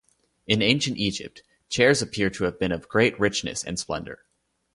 In ancient Egypt chairs appear to have been of great richness and splendour.